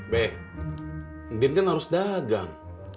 be mendingan harus dagang